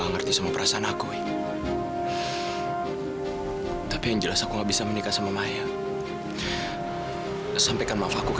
ngerti sama perasaan aku tapi yang jelas aku nggak bisa menikah sama maya sampaikan maaf aku ke